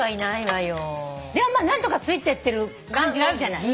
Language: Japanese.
でもまあ何とかついてってる感じあるじゃない？